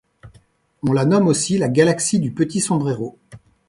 On la nomme aussi la galaxie du petit sombrero.